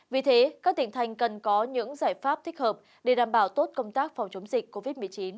vì thế các tỉnh thành cần có những giải pháp thích hợp để đảm bảo tốt công tác phòng chống dịch covid một mươi chín